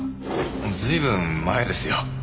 随分前ですよ。